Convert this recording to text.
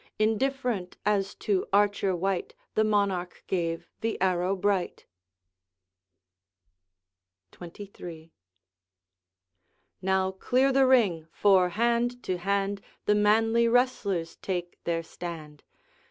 Indifferent as to archer wight, The monarch gave the arrow bright. XXIII. Now, clear the ring! for, hand to hand, The manly wrestlers take their stand.